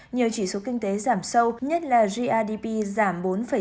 nhiều chỉ số kinh tế giảm sâu nhất là grdp giảm bốn chín mươi tám